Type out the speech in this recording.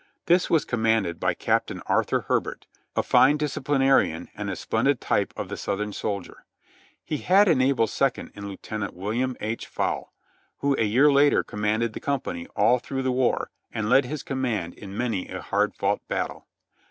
This was commanded by Captain Ar thur Herbert, a fine disciplinarian and a splendid type of the Southern soldier. He had an able second in Lieut. William H. Fowle, who a year later commanded the company all through the war, and led his command in many a hard fought battle.